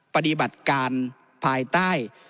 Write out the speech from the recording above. ปฏิบัติการภายใต้